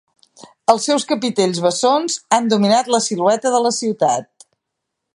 Els seus capitells bessons han dominat la silueta de la ciutat.